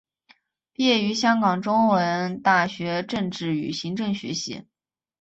毕业于香港中文大学政治与行政学系。